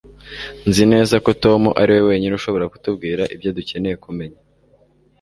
nzi neza ko tom ariwe wenyine ushobora kutubwira ibyo dukeneye kumenya